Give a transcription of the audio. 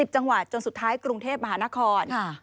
จังหวัดจนสุดท้ายกรุงเทพมหานคร